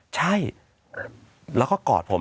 ใช่แล้วก็กอดผม